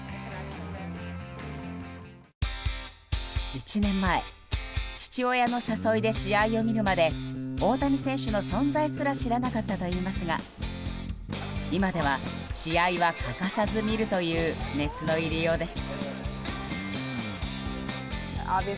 １年前父親の誘いで試合を見るまで大谷選手の存在すら知らなかったといいますが今では試合は欠かさず見るという熱の入りようです。